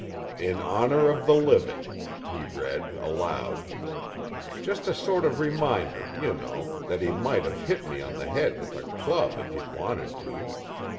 "'In honor of the living,'" he read, aloud, "Just a sort of reminder, you know, that he might have hit me on the head with a club if he'd wanted to."